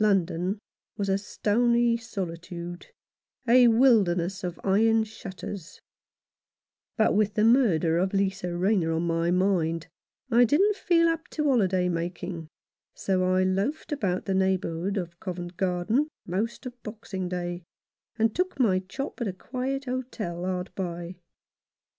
London was a stony solitude, a wilderness of iron shutters ; but with the murder of Lisa Rayner on my mind I didn't feel up to holiday making, so I loafed about the neighbourhood of Covent Garden most of Boxing Day, and took my chop at a quiet hotel hard by.